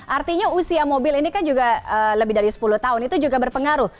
artinya usia mobil ini kan juga lebih dari sepuluh tahun itu juga berpengaruh